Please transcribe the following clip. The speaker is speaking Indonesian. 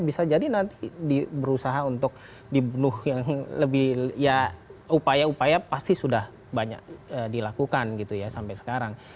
bisa jadi nanti berusaha untuk dibunuh yang lebih ya upaya upaya pasti sudah banyak dilakukan gitu ya sampai sekarang